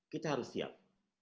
kita harus siap